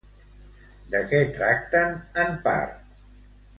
De què tracten, en part?